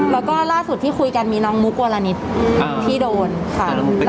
แล้วก็ล่าสุดที่คุยกันมีน้องมุกวรณิตที่โดนค่ะ